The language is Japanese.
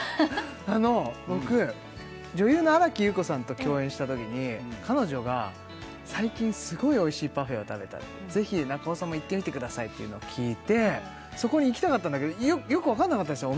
あの僕女優の新木優子さんと共演した時に彼女が最近すごいおいしいパフェを食べたってぜひ中尾さんも行ってみてくださいというのを聞いてそこに行きたかったんだけどよく分かんなかったんですよ